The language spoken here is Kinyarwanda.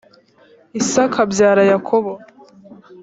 isaka abyara yakobo.